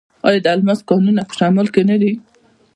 آیا د الماس کانونه په شمال کې نه دي؟